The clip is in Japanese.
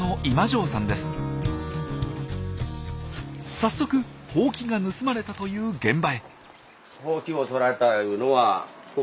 早速ホウキが盗まれたという現場へ。